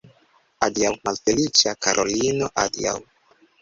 Adiaŭ, malfeliĉa Karolino, adiaŭ!